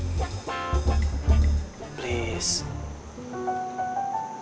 pinjam uang kamu dulu fik